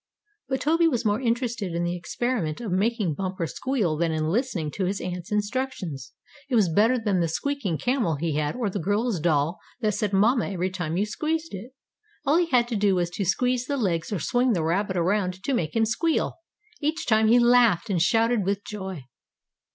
But Toby was more interested in the experiment of making Bumper squeal than in listening to his aunt's instructions. It was better than the squeaking camel he had or the girl's doll that said mamma every time you squeezed it. All he had to do was to squeeze the legs or swing the rabbit around to make him squeal. Each time he laughed and shouted with joy.